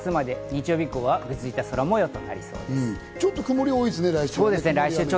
日曜日以降はぐずついた空模様となりそうです。